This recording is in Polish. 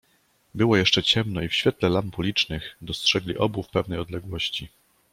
"Było jeszcze ciemno i w świetle lamp ulicznych dostrzegli obu w pewnej odległości."